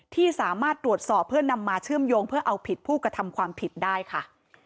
ที่สามารถตรวจสอบเพื่อนำมาเชื่อมโยงเพื่อเอาผิดผู้กระทำความผิดได้ค่ะ